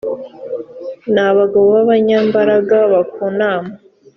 n abagabo b abanyambaraga bakunama